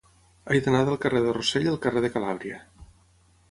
He d'anar del carrer de Rossell al carrer de Calàbria.